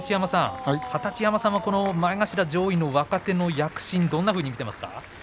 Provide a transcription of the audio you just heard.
二十山さんは前頭上位の若手の躍進どんなふうに見ていますか。